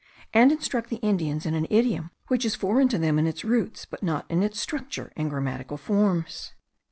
and instruct the Indians in an idiom which is foreign to them in its roots, but not in its structure and grammatical forms.